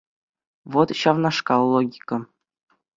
Вӑт ҫавнашкал логика.